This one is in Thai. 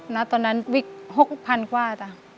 ณตอนนั้นวิก๖๐๐๐กว่าจ้ะ